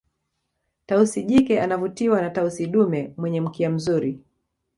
tausi jike anavutiwa na tausi dume mwenye mkia mzuri